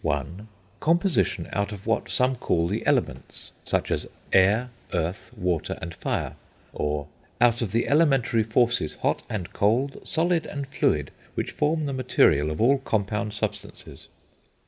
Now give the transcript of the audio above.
(1) "Composition out of what some call the elements, such as air, earth, water, and fire," or "out of the elementary forces, hot and cold, solid and fluid, which form the material of all compound substances."